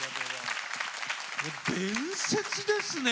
伝説ですね